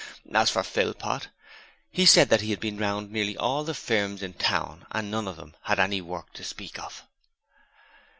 As for Philpot, he said that he had been round to nearly all the firms in the town and none of them had any work to speak of.